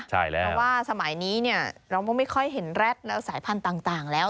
เพราะว่าสมัยนี้เนี่ยเราไม่ค่อยเห็นรัฐและสายพันธุ์ต่างแล้ว